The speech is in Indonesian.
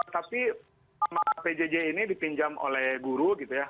tapi sama pjj ini dipinjam oleh guru gitu ya